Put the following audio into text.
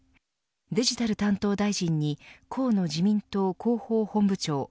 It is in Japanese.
デジタル担当大臣に河野自民党広報本部長。